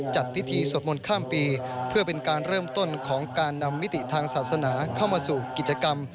จัดพิธีสวดมนต์ข้ามปีเพื่อเป็นการเริ่มต้นของการนำมิติทางศาสนาเข้ามาสู่กิจกรรม